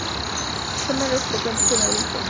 Son menos frecuentes en adultos.